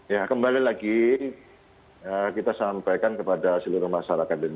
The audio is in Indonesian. ya kembali lagi kita sampaikan kepada seluruh masyarakat indonesia